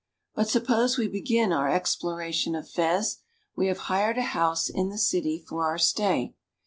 But suppose we begin our exploration of Fez. We have hired a house in the city for our stay.